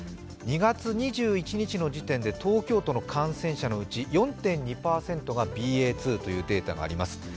２月２１日の時点で東京都の感染者のうち４．２％がＢＡ．２というデータがあります。